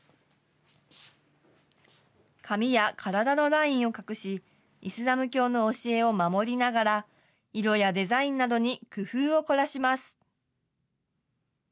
髪や体のラインを隠し、イスラム教の教えを守りながら、色やデザインなどに工夫を凝らします。